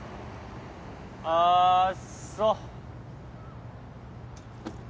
あそう。